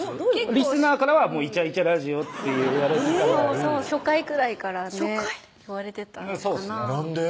リスナーからは「イチャイチャラジオ」って言われてたぐらい初回くらいからね言われてたかななんで？